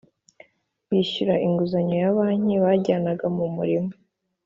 bishyura inguzanyo ya banki. Bajyanaga mu murima